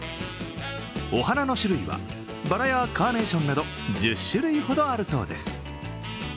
お花の種類はバラやカーネーションなど１０種類ほどあるそうです。